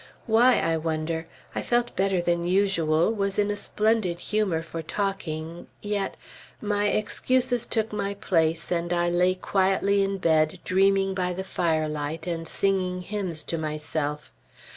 Why, I wonder? I felt better than usual, was in a splendid humor for talking, yet my excuses took my place, and I lay quietly in bed, dreaming by the firelight, and singing hymns to myself.